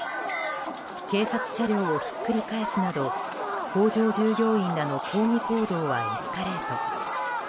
警察車両をひっくり返すなど工場従業員らの抗議行動はエスカレート。